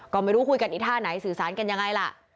ก็ไม่รู้คุยกันอีกท่าไหนสื่อสารกันยังไงล่ะ